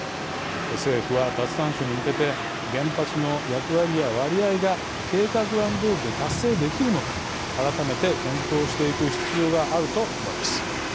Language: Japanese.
政府は、脱炭素に向けて原発の役割や割合が計画案どおりで達成できるのか改めて検討していく必要があると思います。